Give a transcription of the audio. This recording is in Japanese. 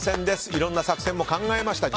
いろんな作戦も考えました。